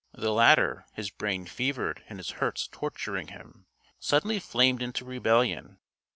The latter, his brain fevered and his hurts torturing him, suddenly flamed into rebellion.